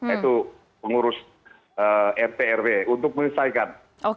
yaitu pengurus rtrw untuk menyelesaikan